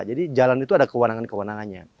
jalan itu ada kewenangan kewenangannya